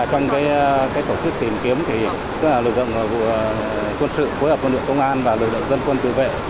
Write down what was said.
trong tổ chức tìm kiếm lực lượng quân sự quân đội công an lực lượng dân quân tự vệ